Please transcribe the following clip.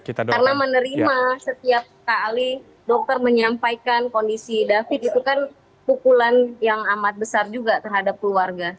karena menerima setiap kali dokter menyampaikan kondisi david itu kan pukulan yang amat besar juga terhadap keluarga